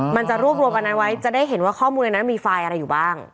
มันจะรวบรวมอันนั้นไว้จะได้เห็นว่าข้อมูลในนั้นมีไฟล์อะไรอยู่บ้าง